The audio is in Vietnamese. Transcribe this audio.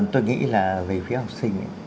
tôi nghĩ là về phía học sinh ấy